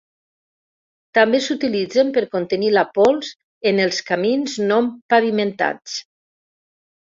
També s'utilitzen per contenir la pols en els camins no pavimentats.